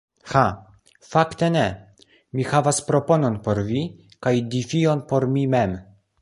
Ha fakte ne! Mi havas proponon por vi, kaj defion por mi mem.